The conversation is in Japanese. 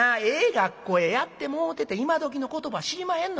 学校へやってもうてて今どきの言葉知りまへんのか。